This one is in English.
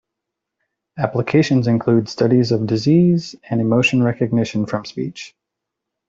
Applications include studies of disease and emotion recognition from speech.